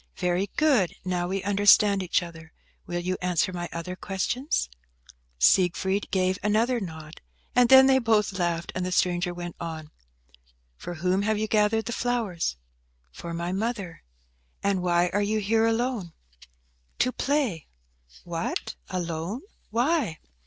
"Very good. Now we understand each other. Will you answer my other questions?" Siegfried gave another nod, and then they both laughed, and the stranger went on. "For whom have you gathered the flowers?" "For my mother." "And why are you here alone?" "To play." "What, alone? Why?"